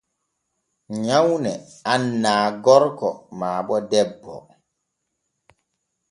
Nyawne annaa gorko naa bo debbo.